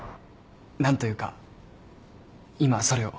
何というか今それを。